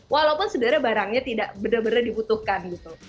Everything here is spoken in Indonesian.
walaupun sebenarnya barangnya tidak benar benar dibutuhkan gitu